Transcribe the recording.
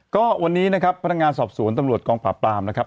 ก็วันนี้นะครับพนักงานสอบสวนตำรวจกองปราบปรามนะครับ